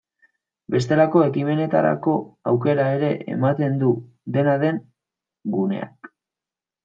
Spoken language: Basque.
Bestelako ekimenetarako aukera ere ematen du, dena den, guneak.